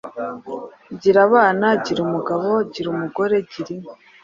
Gira abana, gira umugabo, gira umugore, gira inka”